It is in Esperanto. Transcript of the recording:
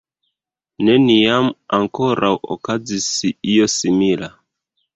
Neniam ankoraŭ okazis io simila.